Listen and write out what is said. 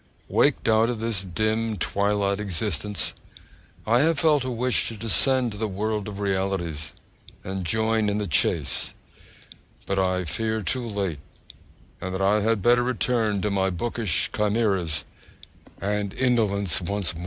Waked out of this dim, twilight existence, and startled with the passing scene, I have felt a wish to descend to the world of realities, and join in the chase. But I fear too late, and that I had better return to my bookish chimeras and indolence once more!